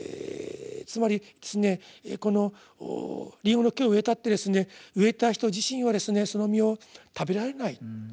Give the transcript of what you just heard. つまりこのリンゴの木を植えたって植えた人自身はその実を食べられない。